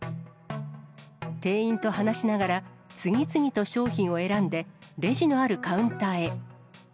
店員と話しながら、次々と商品を選んで、レジのあるカウンターへ。